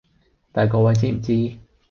但係各位知唔知